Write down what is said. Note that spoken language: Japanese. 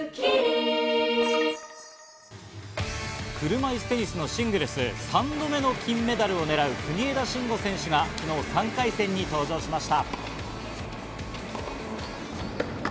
車いすテニスのシングルス、３度目の金メダルを狙う国枝慎吾選手が昨日、３回戦に登場しました。